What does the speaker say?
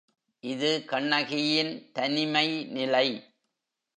இது கண்ணகியின் தனிமை நிலை.